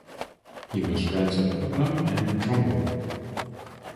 He was friends of Putnam and Trumbull.